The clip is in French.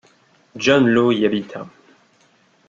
John Law y habita.